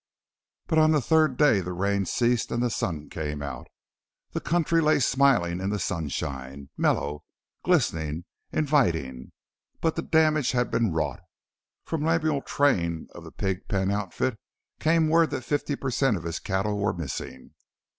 But on the third day the rain ceased and the sun came out. The country lay smiling in the sunshine, mellow, glistening, inviting. But the damage had been wrought. From Lemuel Train of the Pig Pen outfit, came word that fifty per cent of his cattle were missing.